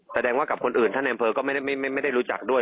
แสดงว่ากับคนอื่นท่านในอำเภอก็ไม่ได้รู้จักด้วย